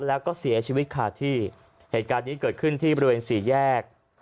แล้วก็เสียชีวิตขาดที่เหตุการณ์นี้เกิดขึ้นที่บริเวณสี่แยก